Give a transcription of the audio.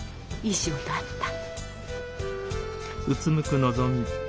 いい仕事あった？